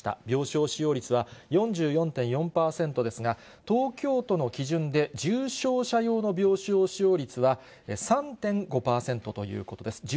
病床使用率は４４．４％ですが、東京都の基準で重症者用の病床使用率は、３．５％ということです。